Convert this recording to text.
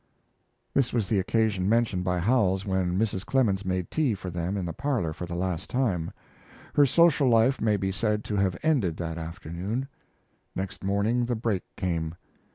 This was the occasion mentioned by Howells when Mrs. Clemens made tea for them in the parlor for the last time. Her social life may be said to have ended that afternoon. Next morning the break came.